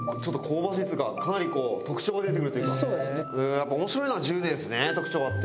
やっぱ面白いのは１０年ですね特徴があって。